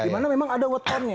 dimana memang ada wotonnya